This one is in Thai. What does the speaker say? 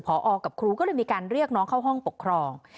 พอกับครูก็เลยมีการเรียกน้องเข้าห้องปกครอง